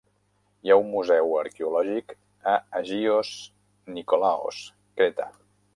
Hi ha un museu arqueològic a Agios Nikolaos, Creta.